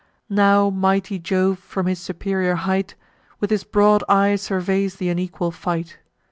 Now mighty Jove, from his superior height, With his broad eye surveys th' unequal fight.